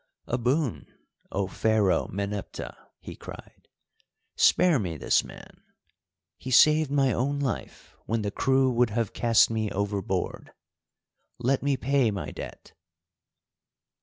"A boon, O Pharaoh Meneptah," he cried. "Spare me this man! He saved my own life when the crew would have cast me overboard. Let me pay my debt."